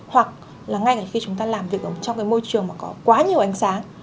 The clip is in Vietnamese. hoặc là ngay cả khi chúng ta làm việc ở trong cái môi trường mà có quá nhiều ánh sáng